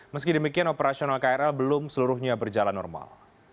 meski demikian operasional krl belum seluruhnya berjalan normal